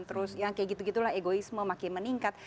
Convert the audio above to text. terus yang kayak gitu gitulah egoisme makin meningkat